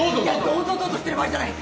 どうぞどうぞしてる場合じゃない。